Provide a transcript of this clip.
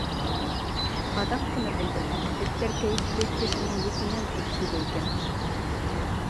Аҙаҡ ҡына белдем, эттәр кәйефте кешенең еҫенән үк һиҙә икән.